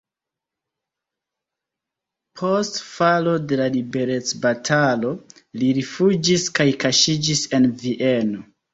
Post falo de la liberecbatalo li rifuĝis kaj kaŝiĝis en Vieno.